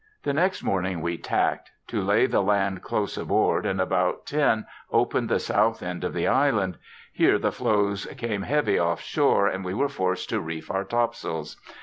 The next morning " we tacked, to lay the land close aboard, and about ten open'd the south end of the island ; here the flaws came heavy oflF shore, and we were forc'd to reef our topsails.